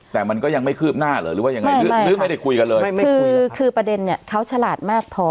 แต่มันก็ยังไม่คืบหน้าหรือว่ายังไงไม่ไม่คือคือประเด็นเนี้ยเขาฉลาดมากพอ